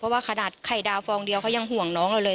เพราะว่าขนาดไข่ดาวฟองเดียวเขายังห่วงน้องเราเลย